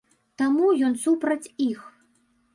Таму ён супраць іх.